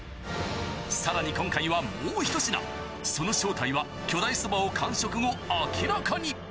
さらに今回はもう一品、その正体は、巨大そばを完食後、明らかに。